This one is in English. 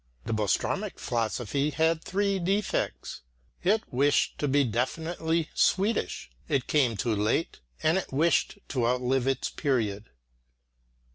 The Boströmic philosophy had three defects; it wished to be definitely Swedish; it came too late; and it wished to outlive its period.